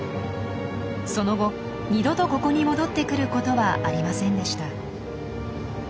その後二度とここに戻ってくることはありませんでした。